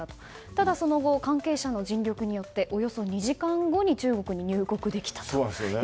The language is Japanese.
ただ、その後関係者の尽力によっておよそ２時間後に中国に入国できたと。